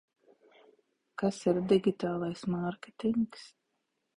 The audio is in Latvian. Kas ir digitālais mārketings?